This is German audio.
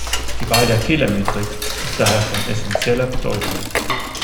Die Wahl der Fehlermetrik ist daher von essenzieller Bedeutung.